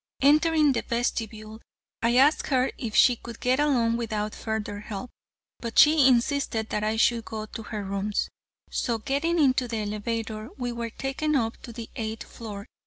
Entering the vestibule, I asked her if she could get along without further help, but she insisted that I should go to her rooms, so getting into the elevator we were taken up to the eighth floor.